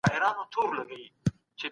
سېب سور دئ.